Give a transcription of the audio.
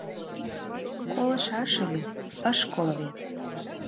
Колышаш ыле, ыш коло вет.